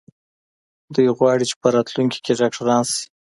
دوی غواړي چې په راتلونکي کې ډاکټران سي.